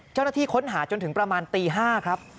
เจ้าหน้าที่ค้นหาจนถึงประมาณตี๕ครับ